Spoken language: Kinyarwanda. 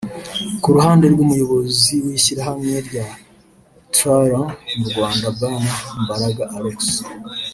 Ku ruhande rw’umuyobozi w’ishyirahamwe rya Triathlon mu Rwanda bwana Mbaraga Alexis